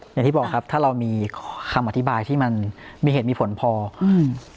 อย่างที่บอกครับถ้าเรามีคำอธิบายที่มันมีเหตุมีผลพออืม